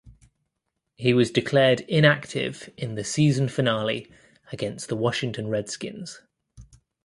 He was declared inactive in the season finale against the Washington Redskins.